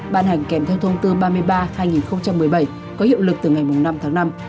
ban hành kèm theo thông tư ba mươi ba hai nghìn một mươi bảy có hiệu lực từ ngày năm tháng năm